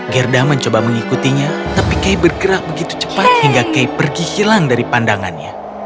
gerda mencoba mengikutinya tapi kay bergerak begitu cepat hingga kay pergi hilang dari pandangannya